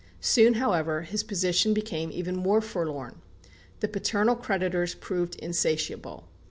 Soon, however, his position became even more forlorn. The paternal creditors proved insatiable.